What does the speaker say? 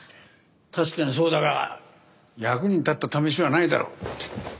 確かにそうだが役に立った試しはないだろう。